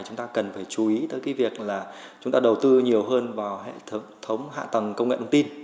chúng ta cần phải chú ý tới cái việc là chúng ta đầu tư nhiều hơn vào hệ thống hạ tầng công nghệ thông tin